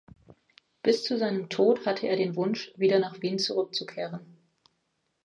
Bis zu seinem Tod hatte er den Wunsch, wieder nach Wien zurückzukehren.